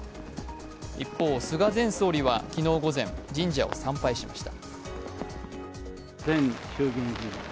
一方、菅前総理は昨日午前、神社を参拝しました。